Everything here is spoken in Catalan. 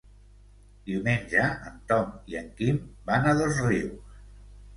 Diumenge en Tom i en Quim van a Dosrius.